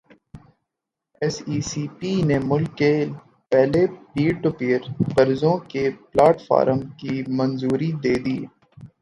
S E C P نے ملک کے پہلے پیر ٹو پیر قرضوں کے پلیٹ فارم کی منظوری دے دی